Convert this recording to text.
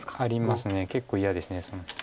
結構嫌です。